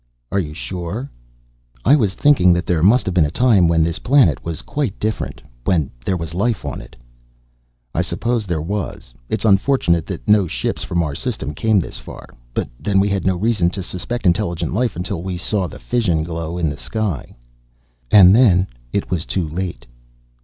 "Are you sure?" "I was thinking that there must have been a time when this planet was quite different, when there was life on it." "I suppose there was. It's unfortunate that no ships from our system came this far, but then we had no reason to suspect intelligent life until we saw the fission glow in the sky." "And then it was too late."